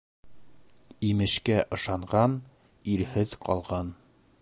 Имешкә ышанған ирһеҙ ҡалған.